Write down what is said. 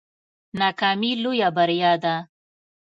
ناکامي لویه بریا ده